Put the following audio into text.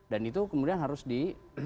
dan itu kemudian harus di